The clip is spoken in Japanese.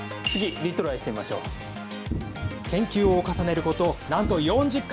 研究を重ねること、なんと４０回。